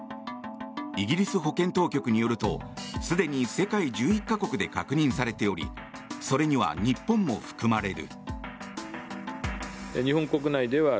イギリス保健当局によるとすでに世界１１か国で確認されておりそれには日本も含まれる。